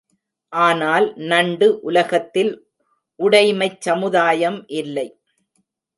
ஆனால் நண்டு உலகத்தில் உடைமைச் சமுதாயம் இல்லை.